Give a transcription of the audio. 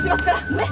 ねっ。